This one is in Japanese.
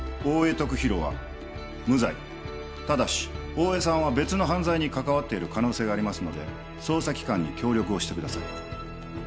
徳弘は無罪ただし大江さんは別の犯罪に関わってる可能性がありますので捜査機関に協力をしてください